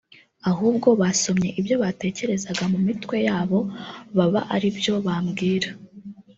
ahubwo basomye ibyo batekerezaga mu mitwe yabo baba ari byo bambwira